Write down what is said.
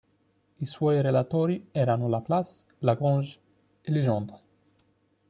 I suoi relatori erano Laplace, Lagrange e Legendre.